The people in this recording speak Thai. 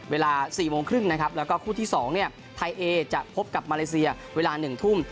เวลาสี่โมงครึ่งนะครับและก็คู่ที่สองเนี่ยไทยเอจะพบกับมาเลเซียเวลาหนึ่งทุ่ม